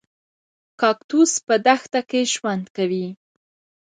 کاکتوس په دښته کې ژوند کوي